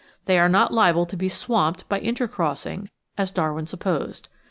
They are not liable to be swamped by intercrossing, as Darwin supposed.